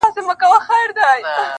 وایې به سندري سپوږمۍ ستوري به نڅا کوي,